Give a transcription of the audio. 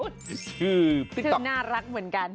เธอน่ารักเหมือนกัน